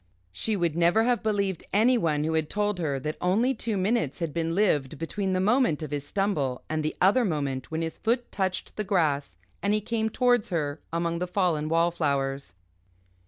She would never have believed anyone who had told her that only two minutes had been lived between the moment of his stumble and the other moment when his foot touched the grass and he came towards her among the fallen wallflowers.